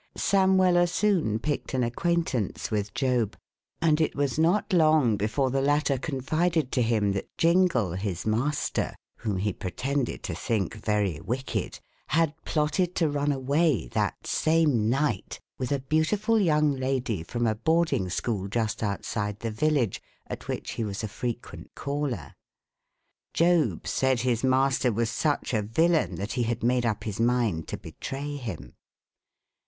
Sam Weller soon picked an acquaintance with Job, and it was not long before the latter confided to him that Jingle his master (whom he pretended to think very wicked) had plotted to run away that same night, with a beautiful young lady from a boarding school just outside the village, at which he was a frequent caller. Job said his master was such a villain that he had made up his mind to betray him.